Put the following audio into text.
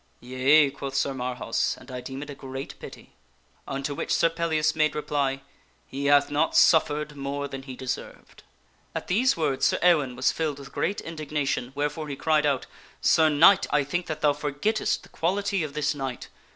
"Yea," quoth Sir Marhaus, "and I deem it a great pity." Unto which Sir Pellias made reply, " He hath not suffered more than he deserved." At these words Sir Ewaine was filled with great indignation, wherefore he cried out, " Sir Knight, I think that thou forgettest the quality of this knight.